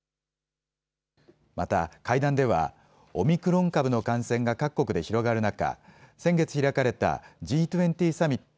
また、会談ではオミクロン株の感染が各国で広がる中、先月開かれたＧ２０サミット